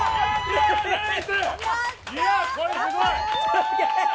すげえ！